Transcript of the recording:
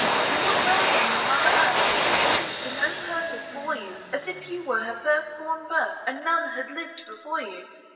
"You look round on your mother earth, "As if she for no purpose bore you; "As if you were her first born birth, "And none had lived before you!"